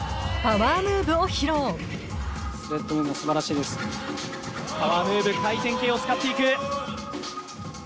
パワームーブ回転系を使っていく。